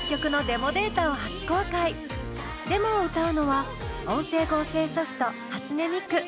デモを歌うのは音声合成ソフト初音ミク。